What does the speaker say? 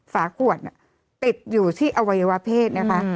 ฝากวดติดอยู่ที่อไววาร์เพศนะคะ